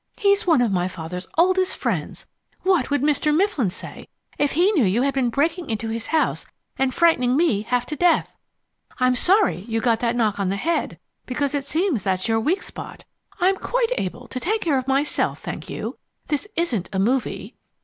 "He's one of my father's oldest friends. What would Mr. Mifflin say if he knew you had been breaking into his house and frightening me half to death? I'm sorry you got that knock on the head, because it seems that's your weak spot. I'm quite able to take care of myself, thank you. This isn't a movie."